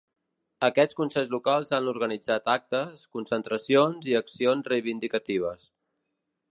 Aquests consells locals han organitzat actes, concentracions i accions reivindicatives.